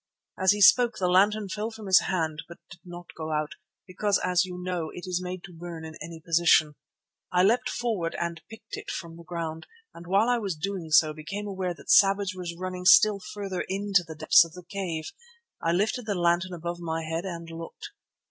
As he spoke the lantern fell from his hand, but did not go out, because, as you know, it is made to burn in any position. I leapt forward and picked it from the ground, and while I was doing so became aware that Savage was running still farther into the depths of the cave. I lifted the lantern above my head and looked.